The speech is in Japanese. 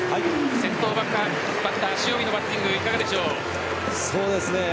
先頭バッター・塩見のバッティング、いかがでしょう？